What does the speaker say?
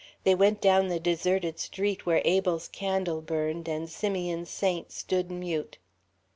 They went down the deserted street where Abel's candle burned and Simeon's saint stood mute.